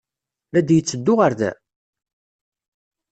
La d-yetteddu ɣer da?